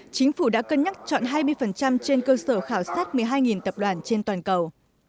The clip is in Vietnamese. chính phủ đã cân nhắc chọn hai mươi trên cơ sở khảo sát một mươi hai tập đoàn trên toàn cầu